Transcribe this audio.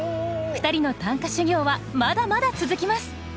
２人の短歌修行はまだまだ続きます。